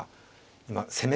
今攻め？